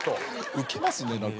ウケますね何か。